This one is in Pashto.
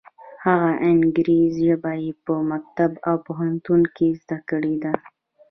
هغه انګریزي ژبه یې په مکتب او پوهنتون کې زده کړې ده.